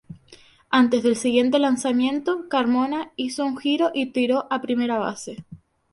Antes del siguiente lanzamiento, Carmona hizo un giro y tiró a primera base.